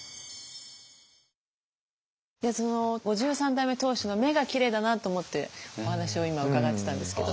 ５３代目当主の目がきれいだなと思ってお話を今伺ってたんですけど